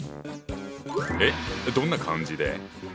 えっどんな漢字で？